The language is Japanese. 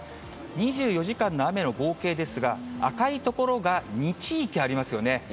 ２４時間の雨の合計ですが、赤い所が２地域ありますよね。